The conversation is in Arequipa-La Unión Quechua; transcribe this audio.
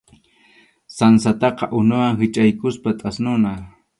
Sansataqa unuwan hichʼaykuspa thasnuna.